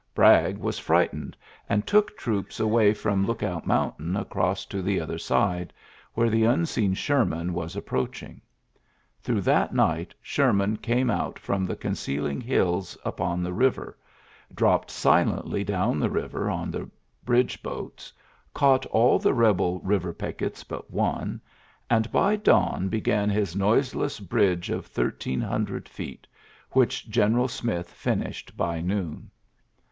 Bragg was jfrightened, and took troops away from Lookout Mountain across to the other side, where the unseen Sherman was approaching. Through that night Sher mian came out from the concealing hills upon the river, dropped silently down the river on the bridge boats, caught all the rebel river pickets but one, and by dawn began his noiseless bridge of thir teen hundred feet, which General Smith finished by noon.